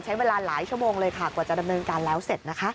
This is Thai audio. ใช้เวลาหลายชั่วโมงเลยค่ะกว่าจะดำเนินการแล้วเสร็จนะคะ